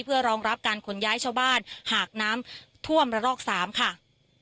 เพื่อรองรับการขนย้ายชาวบ้านหากน้ำท่วมระลอกสามค่ะ